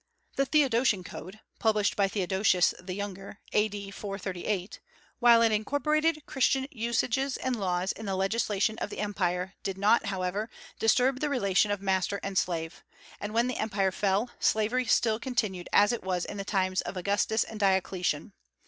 The Theodosian code, published by Theodosius the Younger, A.D. 438, while it incorporated Christian usages and laws in the legislation of the Empire, did not, however, disturb the relation of master and slave; and when the Empire fell, slavery still continued as it was in the times of Augustus and Diocletian.